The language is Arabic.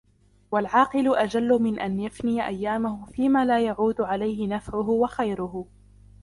وَالْعَاقِلُ أَجَلُّ مِنْ أَنْ يَفِنِي أَيَّامَهُ فِيمَا لَا يَعُودُ عَلَيْهِ نَفْعُهُ وَخَيْرُهُ